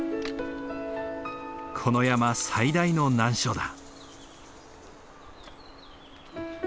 この山最大の難所だ。